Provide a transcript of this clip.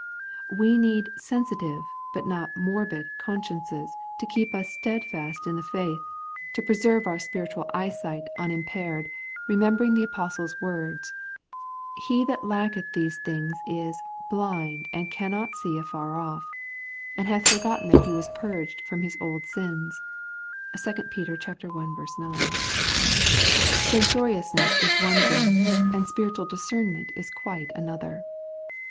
We need sensitive but not morbid consciences to keep us stedfast in the faith, to preserve our spiritual eyesight unim The Holy Life of the Justified, 207 paired, remembering the apostle's words, ' He that lacketh these things is hlind, and cannot see afar off, and hath forgotten that he was purged from his old sins ' (2 Pet. i 9). Censoriousness is one thing, and spiritual discernment is quite another.